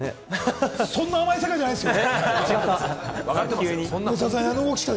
そんな甘い世界じゃないですよ。